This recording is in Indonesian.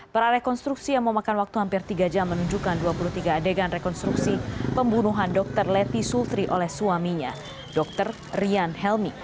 prarekonstruksi yang memakan waktu hampir tiga jam menunjukkan dua puluh tiga adegan rekonstruksi pembunuhan dr leti sultri oleh suaminya dr rian helmi